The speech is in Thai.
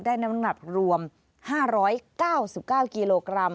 น้ำหนักรวม๕๙๙กิโลกรัม